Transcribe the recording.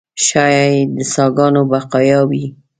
ښایي د ساکانو بقایاوي.